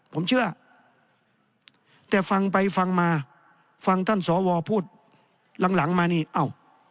ผมเชื่อแต่ฟังไปฟังมาฟังท่านสวพูดหลังหลังมานี่เอ้า